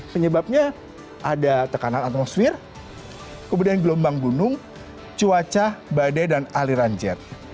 penyebabnya ada tekanan atmosfer kemudian gelombang gunung cuaca badai dan aliran jet